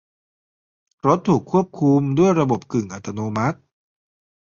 รถถูกควบคุมด้วยระบบกึ่งอัตโนมัติ